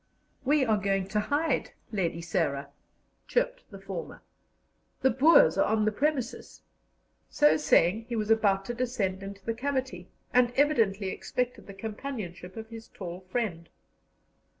"We are going to hide, Lady Sarah," chirped the former. "The Boers are on the premises." So saying, he was about to descend into the cavity, and evidently expected the companionship of his tall friend.